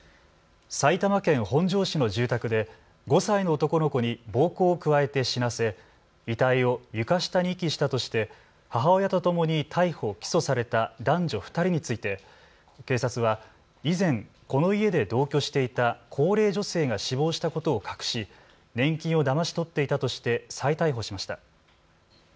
埼玉県本庄市の住宅で５歳の男の子に暴行を加えて死なせ遺体を床下に遺棄したとして母親とともに逮捕・起訴された男女２人について警察は以前、この家で同居していた高齢女性が死亡したことを隠し年金をだまし取っていたとして再逮捕しました。